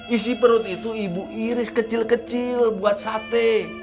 isi perut itu ibu iris kecil kecil buat sate